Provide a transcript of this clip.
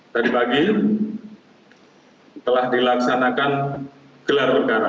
tadi pagi telah dilaksanakan gelar perkara